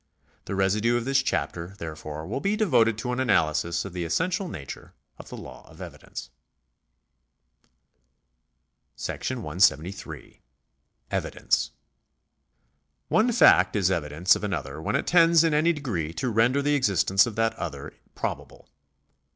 The residue of this chapter, therefore, will be devoted to an analysis of the essential nature of the law of evidence. § 173. Evidence. One fact is evidence of another when it tends in any degree to render the existence of that other probable.